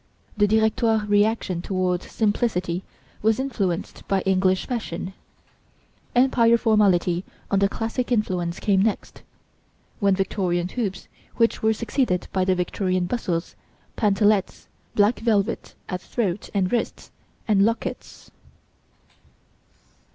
The Directoire reaction towards simplicity was influenced by English fashion. Empire formality under classic influence came next. Then Victorian hoops which were succeeded by the Victorian bustles, pantalets, black velvet at throat and wrists, and lockets.